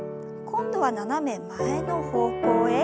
今度は斜め前の方向へ。